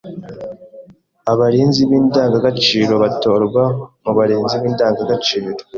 Abarinzi b’indangagaciro batorwa mu barinzi b’indangagaciro